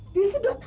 dia sedot aja